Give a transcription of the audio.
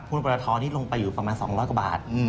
ปรทอนี้ลงไปอยู่ประมาณ๒๐๐กว่าบาท